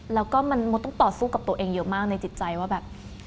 แล้วก็มันมดต้องต่อสู้กับตัวเองเยอะมากในจิตใจว่าแบบ